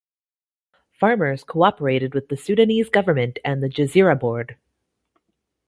Farmers cooperated with the Sudanese government and the Gezira Board.